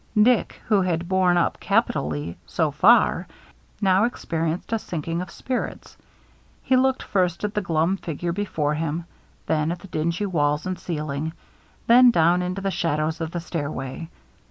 Dick, who had b^orne up capitally so far, now experienced a sinking of spirits. He looked first at the glum figure before him, then at the dingy walls and ceiling, then down into the shadows of the stairway.